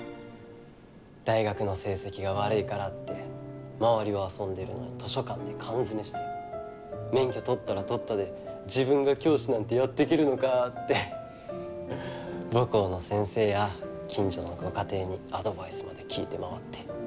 大学の成績が悪いからって周りは遊んでるのに図書館で缶詰めして免許取ったら取ったで自分が教師なんてやっていけるのかって母校の先生や近所のご家庭にアドバイスまで聞いて回って。